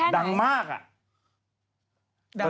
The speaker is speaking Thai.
ดังแค่ไหน